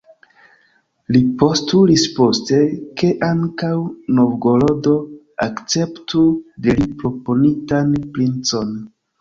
Li postulis poste, ke ankaŭ Novgorodo akceptu de li proponitan princon.